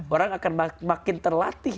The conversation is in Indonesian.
orang akan makin terlatih